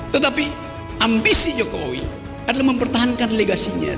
tetapi ambisi jokowi adalah mempertahankan legasinya